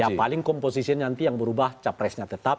ya paling komposisi nanti yang berubah capresnya tetap